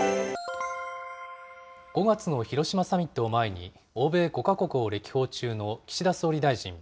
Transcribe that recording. ５月の広島サミットを前に、欧米５か国を歴訪中の岸田総理大臣。